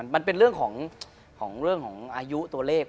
มันเป็นเรื่องของอายุตัวเลข